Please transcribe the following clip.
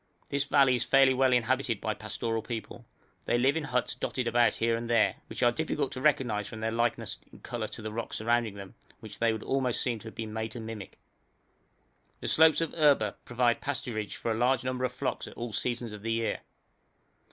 This valley is fairly well inhabited by pastoral people; they live in huts dotted about here and there, which are difficult to recognise from their likeness in colour to the rocks surrounding them, which they would almost seem to have been made to mimic. The slopes of Erba provide pasturage for a large number of flocks at all seasons of the year.